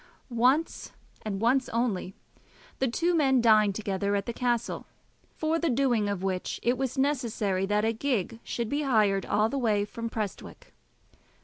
Once, and once only, the two men dined together at the castle, for the doing of which it was necessary that a gig should be hired all the way from Prestwick.